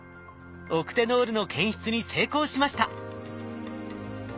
オクテノールの検出に成功しました！